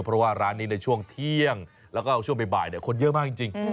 เพราะว่าร้านนี้ในช่วงเที่ยงแล้วก็ช่วงบ่ายคนเยอะมากจริง